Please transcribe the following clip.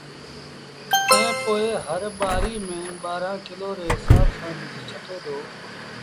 ائيٚݩ پو هر ٻآري ميݩ ٻآرآݩ ڪلو ري هسآب سآݩ ٻج ڇٽي دو